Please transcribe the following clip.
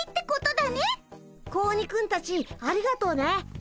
子鬼くんたちありがとうね。